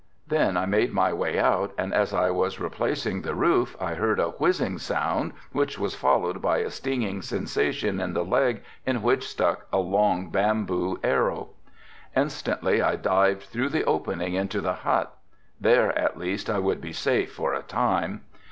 Then I made my way out and and as I was replacing the roof I heard a whizzing sound which was followed by a stinging sensation in the leg in which stuck a long bamboo arrow. Instantly I dived through the opening into the hut. There at least I would be safe for a time.